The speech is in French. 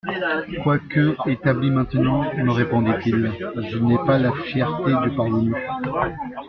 «, Quoique établi maintenant, me répondit-il, je n'ai pas la fierté du parvenu.